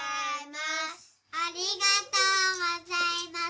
ありがとうございます。